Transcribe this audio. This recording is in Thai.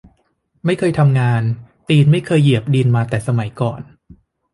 ไม่เคยทำงาน ตีนไม่เคยเหยียบดินมาแต่สมัยก่อน